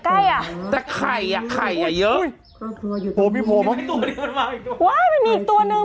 ใกล้อ่ะแต่ไข่อ่ะไข่อ่ะเยอะโอ้ยโอ้ยโอ้ยไม่มีอีกตัวนึง